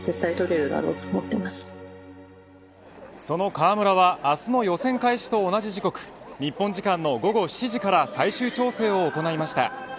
その川村は明日の予選開始と同じ時刻日本時間の午後７時から最終調整を行いました。